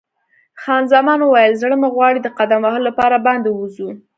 خان زمان وویل: زړه مې غواړي د قدم وهلو لپاره باندې ووځو.